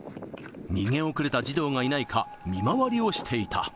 逃げ遅れた児童がいないか、見回りをしていた。